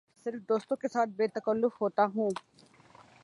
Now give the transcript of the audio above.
صرف دوستوں کے ساتھ بے تکلف ہوتا ہوں